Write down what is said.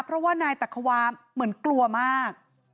เพราะว่านายตักขวาเหมือนกลัวมาก